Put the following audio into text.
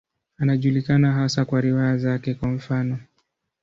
Anajulikana hasa kwa riwaya zake, kwa mfano.